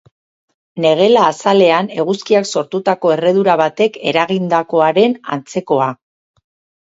Negela azalean, eguzkiak sortutako erredura batek eragindakoaren antzekoa.